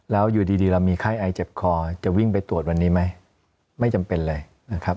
แล้วอยู่ดีเรามีไข้ไอเจ็บคอจะวิ่งไปตรวจวันนี้ไหมไม่จำเป็นเลยนะครับ